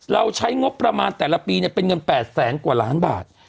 เราใช้งบประมาณแต่ละปีเป็นเงิน๘แสนกว่าล้านบาท